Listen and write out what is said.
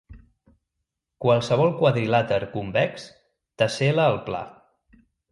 Qualsevol quadrilàter convex tessel·la el pla.